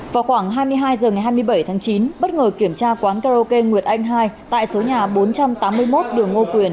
vào khoảng hai mươi hai h ngày hai mươi bảy tháng chín bất ngờ kiểm tra quán karaoke nguyệt anh hai tại số nhà bốn trăm tám mươi một đường ngô quyền